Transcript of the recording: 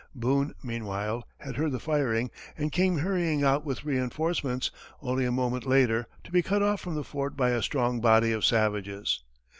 Boone, meanwhile, had heard the firing, and came hurrying out with reinforcements, only, a moment later, to be cut off from the fort by a strong body of savages.